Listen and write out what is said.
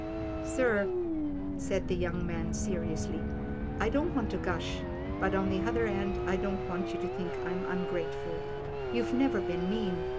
" Sir," said the young man, seriously, " I don't want to gush, but on the other hand, I don't want you to think I'm ungrateful. You've never been mean.